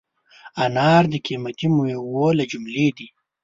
انار د قیمتي مېوو له جملې دی.